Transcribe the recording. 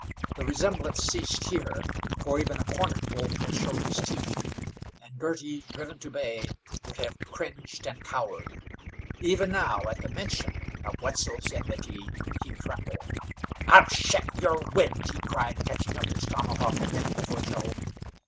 The resemblance ceased here, for even a cornered wolf will show his teeth, and Girty, driven to bay, would have cringed and cowered. Even now at the mention of Wetzel's enmity he trembled. "I'll shet yer wind," he cried, catching up his tomahawk and making for Joe.